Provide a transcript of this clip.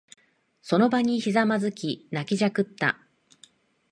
その場にひざまずき、泣きじゃくった。